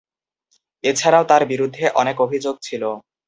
এছাড়াও তার বিরুদ্ধে অনেক অভিযোগ ছিলো।